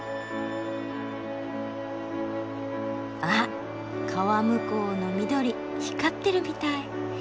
あっ川向こうの緑光ってるみたい。